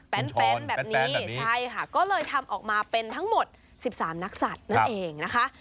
แป้นแบบนี้ใช่ค่ะก็เลยทำออกมาเป็นทั้งหมด๑๓นักศัตว์นั่นเองนะคะ